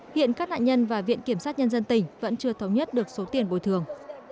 hiện các nạn nhân và viện kiểm sát nhân dân tỉnh vẫn chưa thống nhất được số tiền bồi thường